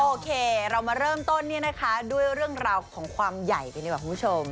โอเคเรามาเริ่มต้นเนี่ยนะคะด้วยเรื่องราวของความใหญ่กันดีกว่าคุณผู้ชม